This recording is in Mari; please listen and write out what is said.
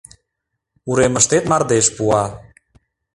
Уремыштет мардеж пуа